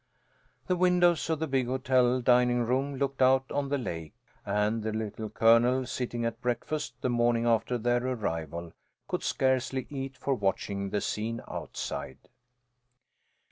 The windows of the big hotel dining room looked out on the lake, and the Little Colonel, sitting at breakfast the morning after their arrival, could scarcely eat for watching the scene outside.